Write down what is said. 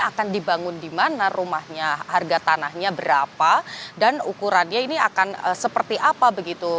akan dibangun di mana rumahnya harga tanahnya berapa dan ukurannya ini akan seperti apa begitu